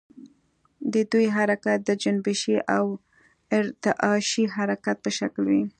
د دوی حرکت د جنبشي او ارتعاشي حرکت په شکل وي.